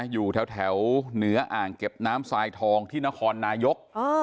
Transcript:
อยู่แถวเหนืออ่างเก็บน้ำทรายทองที่นครนายก